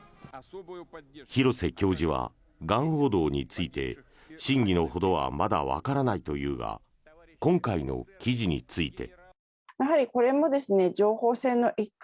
廣瀬教授は、がん報道について真偽のほどはまだわからないというが今回の記事について。